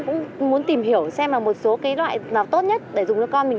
cũng muốn tìm hiểu xem là một số cái loại nào tốt nhất để dùng cho con mình